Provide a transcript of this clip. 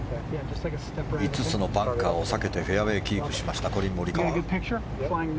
５つのバンカーを避けてフェアウェーをキープしましたコリン・モリカワ。